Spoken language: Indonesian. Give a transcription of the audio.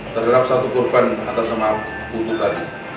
terhadap satu korban atas sama putu tadi